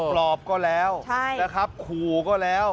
ปลอบก็แล้วนะครับขู่ก็แล้ว